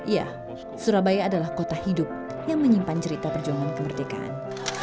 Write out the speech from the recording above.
ya surabaya adalah kota hidup yang menyimpan cerita perjuangan kemerdekaan